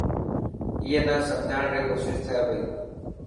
اي نا سمجھاڻ ري ڪوشش ٿي پئي.